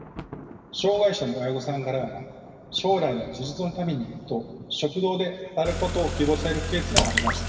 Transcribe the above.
障害者の親御さんからは「将来の自立のために」と食堂で働くことを希望されるケースもありました。